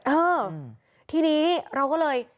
เออทีนี้เราก็เลย